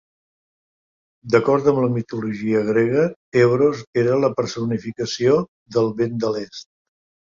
D'acord amb la mitologia grega, Euros era la personificació del vent de l'est.